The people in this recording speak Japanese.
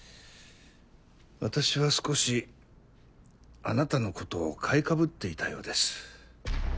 私は少しあなたのことを買い被っていたようです。